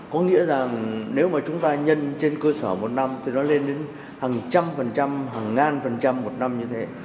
có nghĩa là nếu mà chúng ta nhân trên cơ sở một năm thì nó lên đến hàng trăm phần trăm hàng ngàn phần trăm một năm như thế